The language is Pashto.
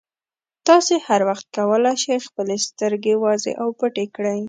تاسې هر وخت کولای شئ خپلې سترګې وازې او پټې کړئ.